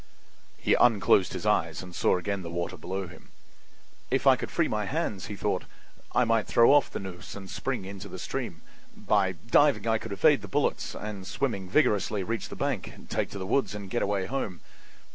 He unclosed his eyes and saw again the water below him. "If I could free my hands," he thought, "I might throw off the noose and spring into the stream. By diving I could evade the bullets and, swimming vigorously, reach the bank, take to the woods and get away home.